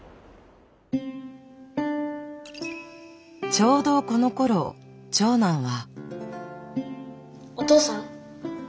ちょうどこのころ長男は。